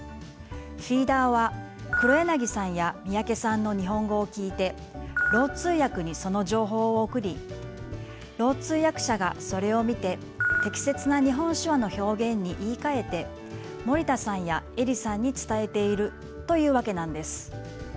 フィーダーは黒柳さんや三宅さんの日本語を聞いてろう通訳にその情報を送りろう通訳者がそれを見て適切な日本手話の表現に言いかえて森田さんや映里さんに伝えているというわけなんです。